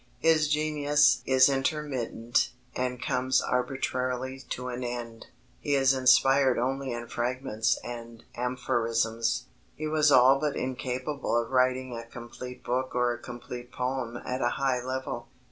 His genius is intermittent and comes arbitrarily to an end. He is inspired only in fragments and aphorisms. He was all but incapable of writing a complete book or a complete poem at a high level.